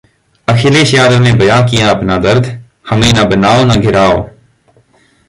अखिलेश यादव ने बयां किया अपना दर्द कहा, 'हमें न बनाओ न गिराओ'